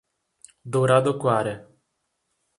Douradoquara